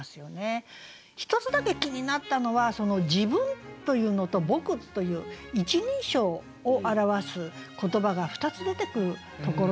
１つだけ気になったのは「自分」というのと「僕」という１人称を表す言葉が２つ出てくるところなんですよね。